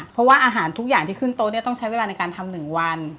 เพราะว่าอาหารทุกอย่างที่ขึ้นโต๊ะเนี่ยต้องใช้เวลาในการทำ๑วัน